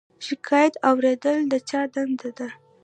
شکایت اوریدل د چا دنده ده؟